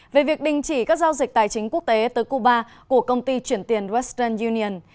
về việc đình chỉ các giao dịch tài chính quốc tế tới cuba của công ty chuyển tiền westreal union